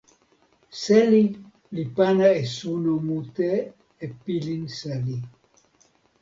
seli li pana e suno mute e pilin seli.